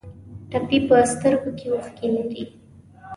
ټپي په سترګو کې اوښکې لري.